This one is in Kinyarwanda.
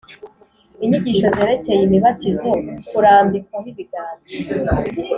inyigisho zerekeye imibatizo. kurambikwaho ibiganza